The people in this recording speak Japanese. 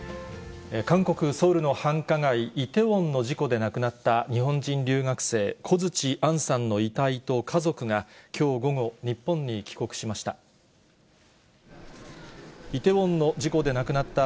韓国・ソウルの繁華街、イテウォンの事故で亡くなった日本人留学生、小槌杏さんの遺体と家族がきょう午後、日本に帰国しました。